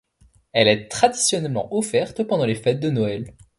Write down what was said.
Elle est traditionnellement offerte pendant les fêtes de Noël.